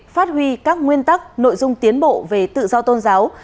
phát huy các nguyên tắc nội dung tiến bộ về tự do tôn giáo